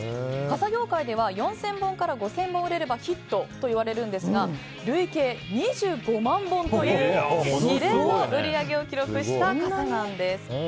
傘業界では４０００本から５０００本売れればヒットといわれるんですが累計２５万本という異例な売り上げを記録した傘なんです。